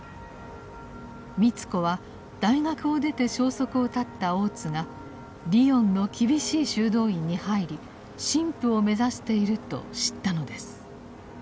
美津子は大学を出て消息を絶った大津がリヨンの厳しい修道院に入り神父を目指していると知ったのです。